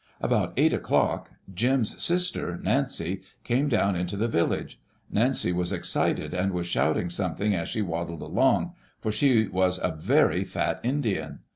About eight o'clocki Jim's sister, Nancy, came down into die village. Nancy was excited, and was shouting something as she waddled along, for she was a very fat Indian.